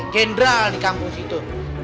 general di kampus itu